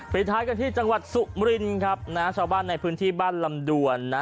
ท้ายกันที่จังหวัดสุมรินครับนะชาวบ้านในพื้นที่บ้านลำดวนนะ